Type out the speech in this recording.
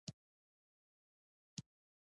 ښه نوم د خلکو په زړونو پاتې کېږي.